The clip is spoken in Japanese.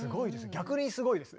逆にすごいです。